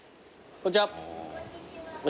こんにちは。